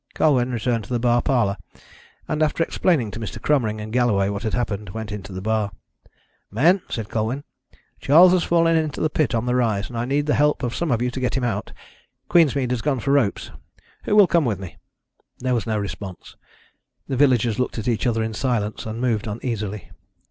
Colwyn returned to the bar parlour and, after explaining to Mr. Cromering and Galloway what had happened, went into the bar. "Men," said Colwyn, "Charles has fallen into the pit on the rise, and I need the help of some of you to get him out. Queensmead has gone for ropes. Who will come with me?" There was no response. The villagers looked at each other in silence, and moved uneasily.